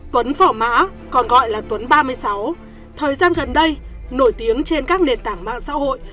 tuấn phở mã còn gọi là tuấn ba mươi sáu thời gian gần đây nổi tiếng trên các nền tảng mạng xã hội